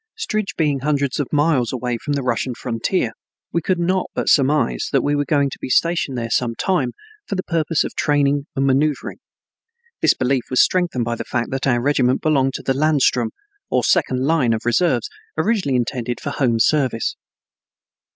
Strij being hundreds of miles away from the Russian frontier, we could not but surmise that we were going to be stationed there some time for the purpose of training and maneuvering. This belief was strengthened by the fact that our regiment belonged to the Landsturm, or second line of reserves, originally intended for home service.